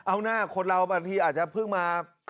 เอาหน้าคนเราบางทีอาจจะเพิ่งมา